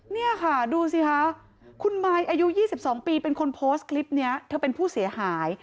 นี่ค่ะดูสิคะคุณมายอายุ๒๒ปีเป็นคนโพสต์คลิปนี้เธอเป็นผู้เสียหาย